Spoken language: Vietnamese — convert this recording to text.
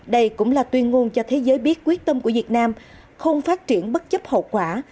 đây cũng là tuyên ngôn cho thế giới biết quyết tâm của việt nam không phát triển bất chấp hậu quả